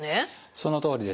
そのとおりですね。